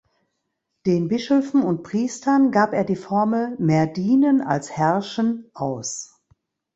Den Bischöfen und Priestern gab er die Formel “Mehr dienen als herrschen” aus.